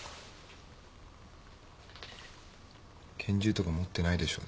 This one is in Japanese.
拳銃とか持ってないでしょうね？